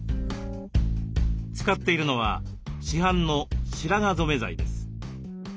使っているのは市販の白髪染め剤です。